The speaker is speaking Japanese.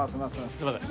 すいません。